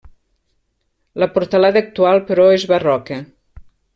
La portalada actual, però, és barroca.